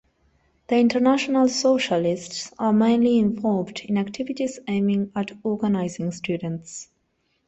The International Socialists are mainly involved in activities aiming at organising students.